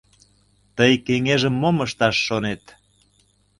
— Тый кеҥежым мом ышташ шонет?